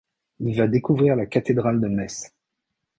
Il va découvrir la cathédrale de Metz.